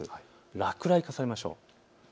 落雷を重ねましょう。